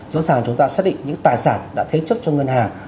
rõ ràng chúng ta xác định những tài sản đã thế chấp cho ngân hàng